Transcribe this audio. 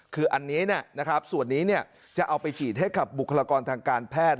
คืออันนี้ส่วนนี้จะเอาไปฉีดให้กับบุคลากรทางการแพทย์